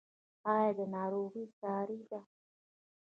ایا دا ناروغي ساري ده؟